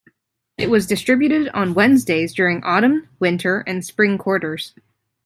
It was distributed on Wednesdays during autumn, winter, and spring quarters.